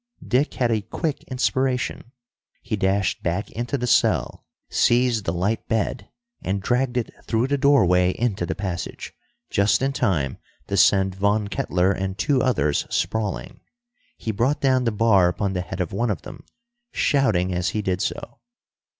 Dick had a quick inspiration. He dashed back into the cell, seized the light bed, and dragged it through the doorway into the passage, just in time to send Von Kettler and two others sprawling. He brought down the bar upon the head of one of them, shouting as he did so.